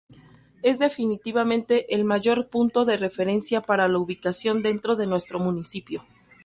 Es definitivamente el mayor punto de referencia para la ubicación dentro de nuestro municipio.